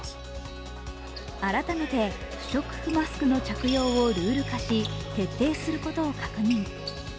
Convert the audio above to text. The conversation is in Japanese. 改めて不織布マスクの着用をルール化し、徹底することを確認。